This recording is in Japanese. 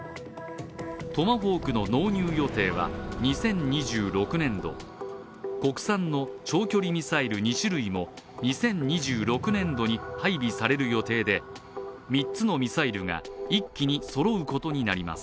トマホークの納入予定は２０２６年度、国産の長距離ミサイル２種類も２０２６年度に配備される予定で３つのミサイルが一気にそろうことになります。